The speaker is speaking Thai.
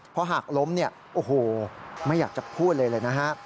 เพราะหากล้มเนี่ยโอ้โหไม่อยากจะพูดเลยเลยนะฮะ